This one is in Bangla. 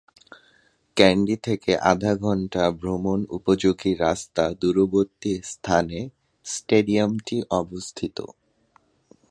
ক্যান্ডি থেকে আধা-ঘণ্টা ভ্রমণ উপযোগী রাস্তা দূরবর্তী স্থানে স্টেডিয়ামটি অবস্থিত।